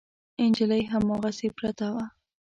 نجلۍ هماغسې پرته وه.